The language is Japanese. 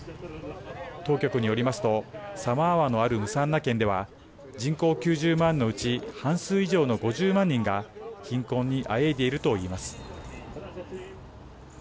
当局によりますとサマーワのあるムサンナ県では人口９０万のうち半数以上の５０万人が貧困にあえいでいると言います。